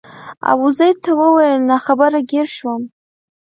ابوزید ته وویل ناخبره ګیر شوم.